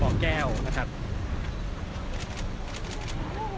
เมื่อเวลาเมื่อเวลาเมื่อเวลาเมื่อเวลา